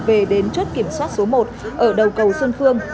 về đến chốt kiểm soát số một ở đầu cầu xuân phương